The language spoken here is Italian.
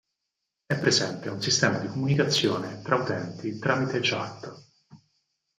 È presente un sistema di comunicazione tra utenti tramite chat.